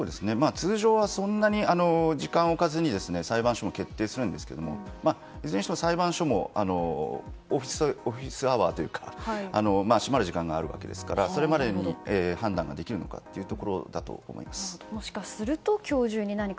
通常はそんなに時間を置かずに裁判所も決定するんですがいずれにしても裁判所もオフィスアワーというか閉まる時間があるわけですからそれまでに判断ができるのかプシューッ！